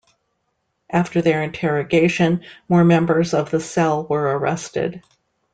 After their interrogation, more members of the cell were arrested.